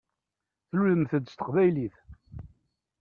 Tlulemt-d s teqbaylit.